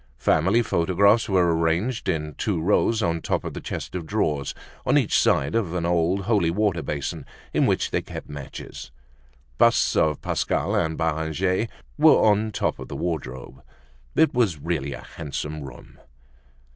Family photographs were arranged in two rows on top of the chest of drawers on each side of an old holy water basin in which they kept matches. Busts of Pascal and Beranger were on top of the wardrobe. It was really a handsome room.